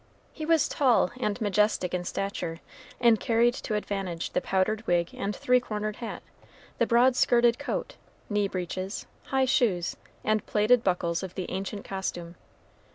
He was tall and majestic in stature, and carried to advantage the powdered wig and three cornered hat, the broad skirted coat, knee breeches, high shoes, and plated buckles of the ancient costume.